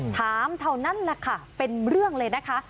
เท่านั้นแหละค่ะเป็นเรื่องเลยนะคะ